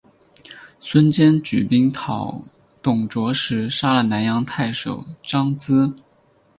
孙坚举兵讨董卓时杀了南阳太守张咨。